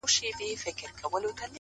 كومه يوه خپله كړم،